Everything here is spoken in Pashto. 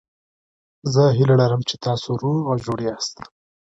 زه هیله لرم چې تاسو روغ او جوړ یاست.